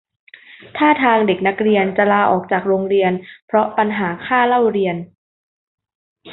ท่าทางเด็กนักเรียนจะลาออกจากโรงเรียนเพราะปัญหาค่าเล่าเรียน